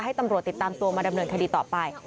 ตำรวจติดตามตัวมาดำเนินคดีต่อไป